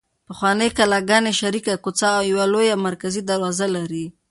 پخوانۍ کلاګانې شریکه کوڅه او یوه لویه مرکزي دروازه لري.